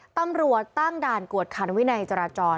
ตำรวจตั้งด่านกวดขันวินัยจราจร